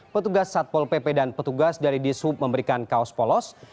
petugas satpol pp dan petugas dari dishub memberikan kaos polos